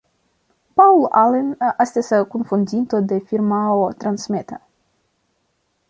Paul Allen estas kunfondinto de firmao Transmeta.